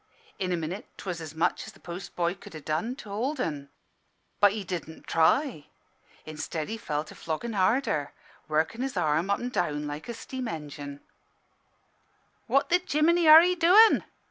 In a minute 'twas as much as the post boy could ha' done to hold 'en. But he didn' try. Instead, he fell to floggin' harder, workin' his arm up an' down like a steam engin'. "'What the jiminy are 'ee doin?'